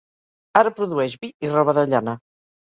Ara produeix vi i roba de llana.